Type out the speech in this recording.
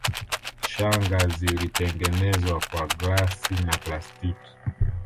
Shanga zilitengenezwa kwa glasi na plastiki